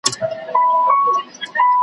یو مي ژبي ته حیران دی بل مي زړه په غشیو ولي .